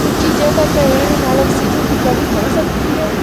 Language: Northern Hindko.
اُچھی جگہ تے رہنڑا نال آکسیجن دی کمی ہو سکدی ہے۔